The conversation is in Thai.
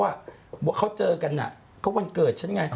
ว่าเขาเจอกันก็วันเกิดฉันไง